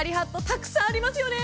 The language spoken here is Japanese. たくさんありますよね。